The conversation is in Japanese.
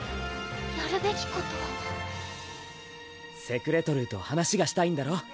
やるべきことセクレトルーと話がしたいんだろ？